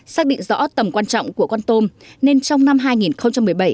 xác định rõ tầm quan trọng của con tôm nên trong năm hai nghìn một mươi bảy